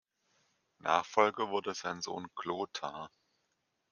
Nachfolger wurde sein Sohn Chlothar.